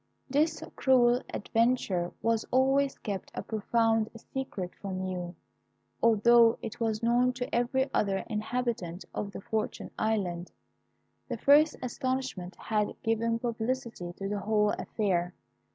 "This cruel adventure was always kept a profound secret from you, although it was known to every other inhabitant of the Fortunate Island. The first astonishment had given publicity to the whole affair.